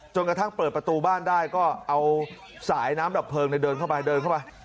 กระทั่งเปิดประตูบ้านได้ก็เอาสายน้ำดับเพลิงเดินเข้าไปเดินเข้าไป